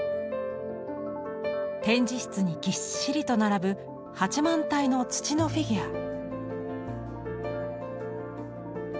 展示室にぎっしりと並ぶ８万体の土のフィギュア。